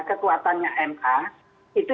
kekuatannya m a itu